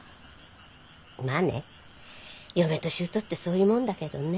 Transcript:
まあね嫁と姑ってそういうもんだけどね。